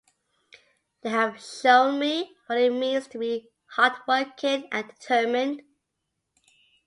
They have shown me what it means to be hardworking and determined.